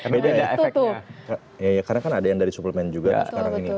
beda ya efeknya karena kan ada yang dari suplemen juga sekarang ini